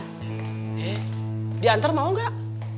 eh diantar mau gak